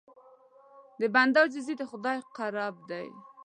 د بنده عاجزي د خدای قرب ده.